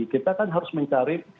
kita kan harus mencari